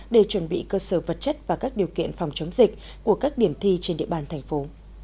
để chuẩn bị cơ sở vật chất và các điều kiện phòng chống dịch của các điểm thi trên địa bàn thành phố